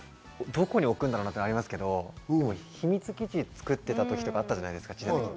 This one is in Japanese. どこに置くんだろうな？っていうのがありますが、秘密基地を作っていたこととかあったじゃないですか。